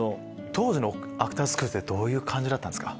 当時のアクターズスクールってどういう感じだったんですか？